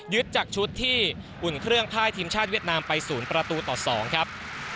จากชุดที่อุ่นเครื่องพ่ายทีมชาติเวียดนามไป๐ประตูต่อ๒ครับ